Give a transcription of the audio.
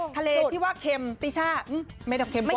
ทะเลที่ว่าเค็มติช่าไม่แต่เค็มกว่านะ